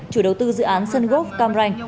chủ đầu tư dự án sungop cam ranh